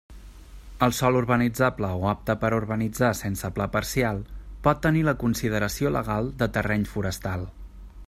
El sòl urbanitzable o apte per a urbanitzar sense pla parcial pot tenir la consideració legal de terreny forestal.